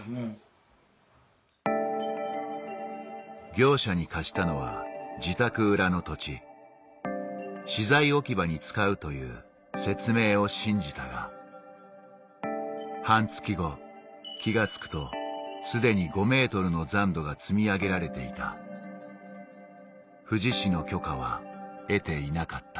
業者に貸したのは自宅裏の土地資材置き場に使うという説明を信じたが半月後気が付くとすでに５メートルの残土が積み上げられていた富士市の許可は得ていなかった